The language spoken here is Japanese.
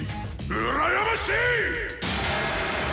うらやましい！